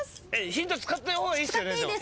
ヒント使った方がいいっすよね？